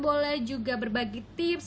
ada juga berbagi tips